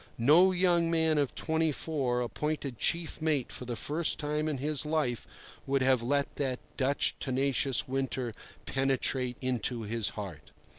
No young man of twenty four appointed chief mate for the first time in his life would have let that Dutch tenacious winter penetrate into his heart.